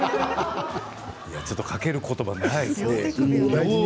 ちょっとかけることばないですね。